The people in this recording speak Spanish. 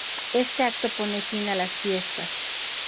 Este acto pone fin a las fiestas.